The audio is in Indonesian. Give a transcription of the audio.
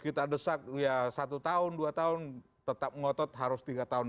kita desak ya satu tahun dua tahun tetap ngotot harus tiga tahun